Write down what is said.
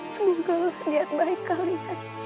semoga lah niat baik kalian